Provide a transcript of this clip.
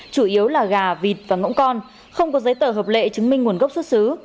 chủ yếu là gà vịt và ngỗng con không có giấy tờ hợp lệ chứng minh nguồn gốc xuất xứ